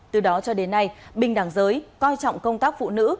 từ đó cho đến nay bình đẳng giới coi trọng công tác phụ nữ